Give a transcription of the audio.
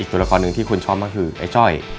ตัวละครหนึ่งที่คุณชอบก็คือไอ้จ้อย